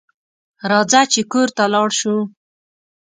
راځه چې کور ته لاړ شو